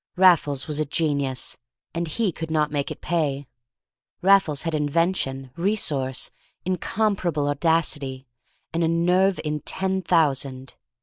Raffles was a genius, and he could not make it pay! Raffles had invention, resource, incomparable audacity, and a nerve in ten thousand.